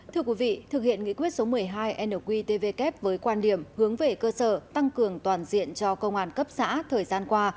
thưa quý vị thực hiện nghị quyết số một mươi hai nqtvk với quan điểm hướng về cơ sở tăng cường toàn diện cho công an cấp xã thời gian qua